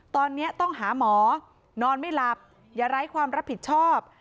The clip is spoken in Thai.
ตอนนี้ต้องหาหมอนอนไม่หลับอย่าไร้ความรับผิดชอบ